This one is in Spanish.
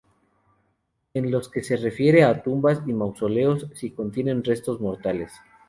En lo que se refiere a tumbas y mausoleos, si contienen restos mortales.